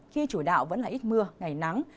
khi chủ đạo vẫn là ít mưa ngày nắng